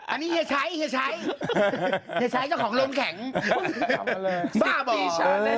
อันนี้เฮียชัยเฮียชัยเฮียชัยเจ้าของโรงแข่งทำมาเลย